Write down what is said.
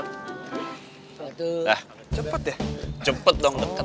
nah cepet ya cepet dong deket